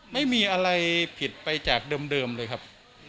ไม่มีอะไรผิดไปจากเดิมเลยครับ